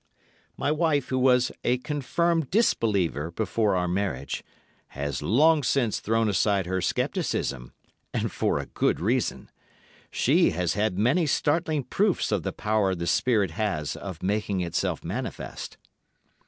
My wife, who was a confirmed disbeliever before our marriage, has long since thrown aside her scepticism, and for a good reason. She has had many startling proofs of the power the spirit has of making itself manifest.